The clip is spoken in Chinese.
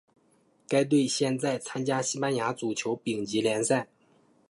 该队现在参加西班牙足球丙级联赛。